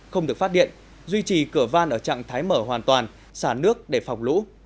không được phát điện duy trì cửa van ở trạng thái mở hoàn toàn xả nước để phòng lũ